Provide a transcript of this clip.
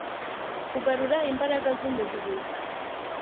Kugarurira imbaraga zumubiri